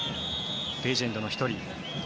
レジェンドの１人。